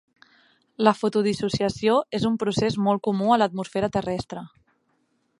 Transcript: La fotodissociació és un procés molt comú a l'atmosfera terrestre.